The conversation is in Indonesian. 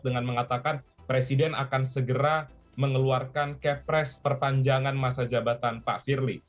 dengan mengatakan presiden akan segera mengeluarkan kepres perpanjangan masa jabatan pak firly